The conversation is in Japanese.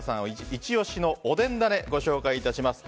イチ押しのおでんだねをご紹介いたします。